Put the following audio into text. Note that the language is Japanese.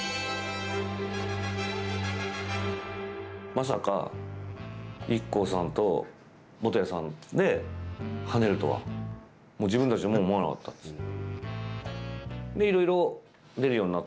まさかＩＫＫＯさんと元彌さんではねるとは、もう自分たちも思わなかったですね。